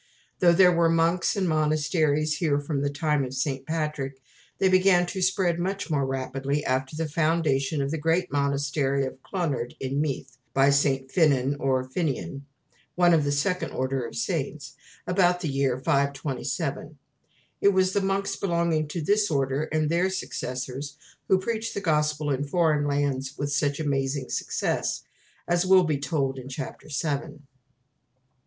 Though there were monks and monasteries here from the time of St. Patrick, they began to spread much more rapidly after the foundation of the great monastery of Clonard in Meath, by St. Finnen or Finnian one of the Second Order of saints about the year 527. It was the monks belonging to this Order, and their successors, who preached the Gospel in foreign lands with such amazing success, as will be told in Chapter VII.